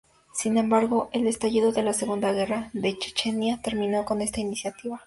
Sin embargo, el estallido de la Segunda Guerra de Chechenia terminó con esta iniciativa.